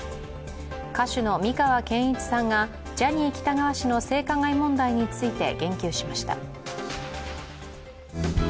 歌手の美川憲一さんがジャニー喜多川氏の性加害問題について言及しました。